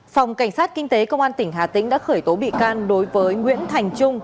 phòng cảnh sát kinh tế công an tỉnh hà tĩnh đã khởi tố bị can đối với nguyễn thành trung